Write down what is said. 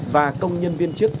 và công nhân viên chức